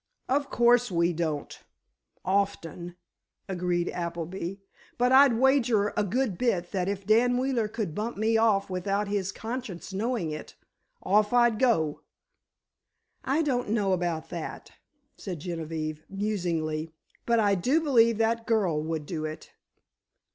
"Of course we don't—often," agreed Appleby, "but I'd wager a good bit that if Dan Wheeler could bump me off without his conscience knowing it—off I'd go!" "I don't know about that," said Genevieve, musingly—"but I do believe that girl would do it!"